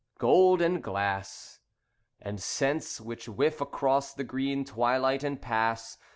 Gold and glass, And scents which whiff across the green twilight and pass.